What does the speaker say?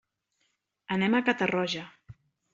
Anem a Catarroja.